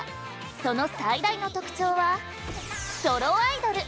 その最大の特徴はソロアイドル。